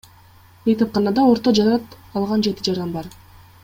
Бейтапканада орто жарат алган жети жаран бар.